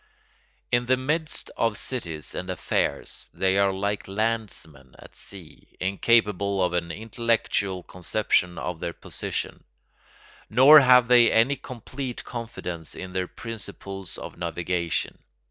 In the midst of cities and affairs they are like landsmen at sea, incapable of an intellectual conception of their position: nor have they any complete confidence in their principles of navigation.